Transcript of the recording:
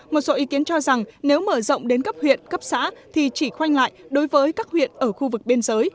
một số ý kiến cho rằng nếu mở rộng đến cấp huyện cấp xã thì chỉ khoanh lại đối với các huyện ở khu vực biên giới